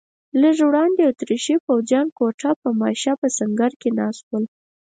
لږ وړاندې اتریشي پوځیان ګوته په ماشه په سنګر کې ناست ول.